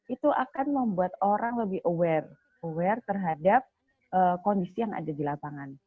itu akan membuat orang lebih aware aware terhadap kondisi yang ada di lapangan